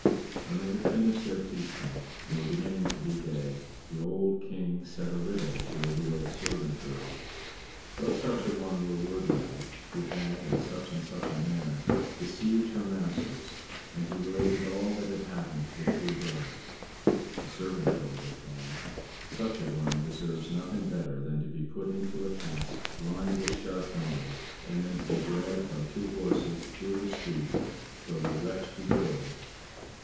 When they had finished their feasting, and were beginning to be gay, the old King set a riddle to the real servant girl: What such an one were worthy of who had, in such and such a manner, deceived her masters; and he related all that had happened to the true bride. The servant girl replied, "Such an one deserves nothing better than to be put into a cask, lined with sharp nails, and then to be dragged by two horses through the streets till the wretch be killed."